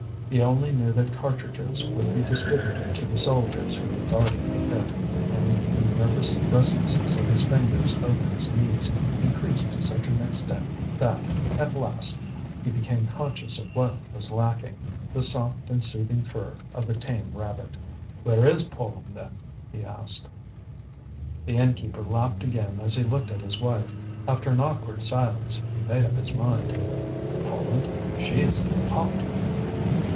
He only knew that cartridges would be distributed to the soldiers who were guarding the pit; and the nervous restlessness of his fingers over his knees increased to such an extent that, at last, he became conscious of what was lacking the soft and soothing fur of the tame rabbit. "Where is Poland, then?" he asked. The innkeeper laughed again as he looked at his wife. After an awkward silence he made up his mind: "Poland? She is in the pot."